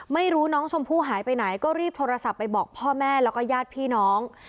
ไม่รู้น้องชมพู่หายไปไหนก็รีบโทรศัพท์ไปบอกพ่อแม่แล้วก็ญาติพี่น้อง